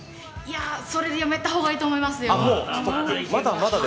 それでやめた方がいいと思いますよ。